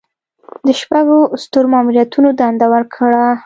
د شپږو سترو ماموریتونو دنده ورکړه.